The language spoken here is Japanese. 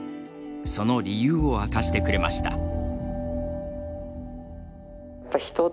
その理由を明かしてくれました。